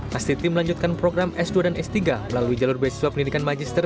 kastiti melanjutkan program s dua dan s tiga melalui jalur beasiswa pendidikan magister